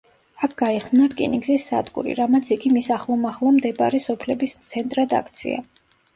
აქ გაიხსნა რკინიგზის სადგური, რამაც იგი მის ახლომახლო მდებარე სოფლების ცენტრად აქცია.